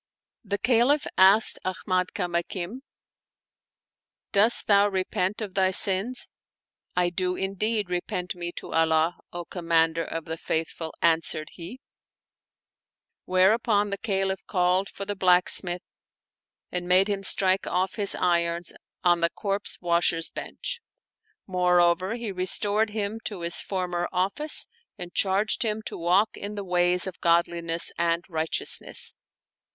The Caliph asked Ahmad Kamakim, " Dost thou repent of thy sins ?" "I do indeed repent me to Allah, O Com mander of the Faithful," answered he ; whereupon the Ca liph called for the blacksmith and made him strike off his irons on the corpse washer's bench. Moreover, he re stored him to his former office and charged him to walk in the ways of godliness and righteousness.